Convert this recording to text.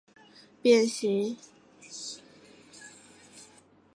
白花米口袋为豆科米口袋属少花米口袋下的一个变型。